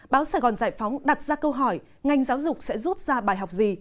báo sài gòn giải phóng đặt ra câu hỏi ngành giáo dục sẽ rút ra bài học gì